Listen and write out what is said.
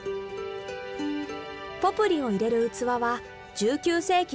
ポプリを入れる器は１９世紀のせっけん置き。